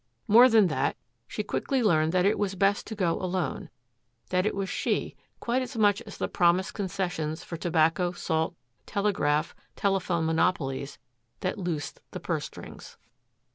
More than that, she quickly learned that it was best to go alone, that it was she, quite as much as the promised concessions for tobacco, salt, telegraph, telephone monopolies, that loosed the purse strings.